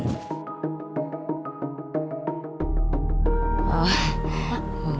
kalau gue udah dipecat sama andin